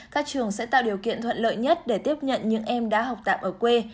các trường sẽ tạo điều kiện thuận lợi nhất để tiếp nhận những em đã học tạm ở quê